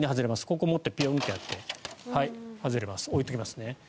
ここ持ってピョンとやって置いておきますね。